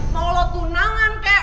mau lo tunangan kek